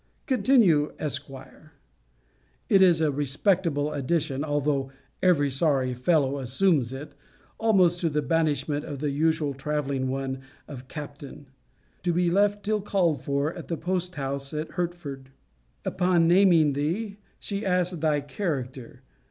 Continue Esquire. It is a respectable addition, although every sorry fellow assumes it, almost to the banishment of the usual traveling one of Captain. 'To be left till called for, at the post house at Hertford.' Upon naming thee, she asked thy character.